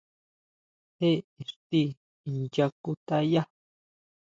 ¿Jé íxti incha kutayá?